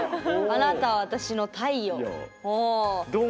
あなたは私の太陽。